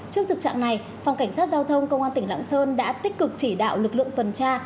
trước thực trạng này phòng cảnh sát giao thông công an tỉnh lạng sơn đã tích cực chỉ đạo lực lượng tuần tra